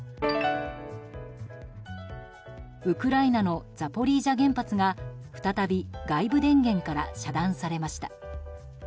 ウクライナのザポリージャ原発が再び外部電源から遮断されました。